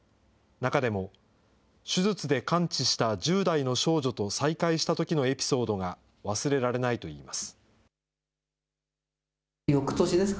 中でも、手術で完治した１０代の少女と再会したときのエピソードが忘れられないといいます。